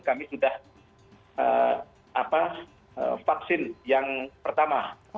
kami sudah vaksin yang pertama